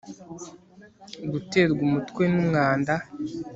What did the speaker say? guterwa umutwe n'umwanda